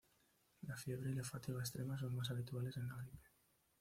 La fiebre y la fatiga extrema son más habituales en la gripe.